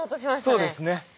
そうですね。